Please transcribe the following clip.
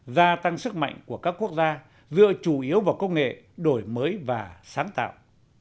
gia tăng sức mạnh của các quốc gia dựa chủ yếu vào công nghệ đổi mới và sáng tạo